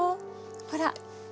ほら。